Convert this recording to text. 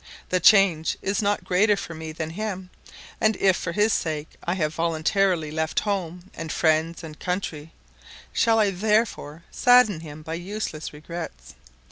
The change is not greater for me than him; and if for his sake I have voluntarily left home, and friends, and country, shall I therefore sadden him by useless regrets?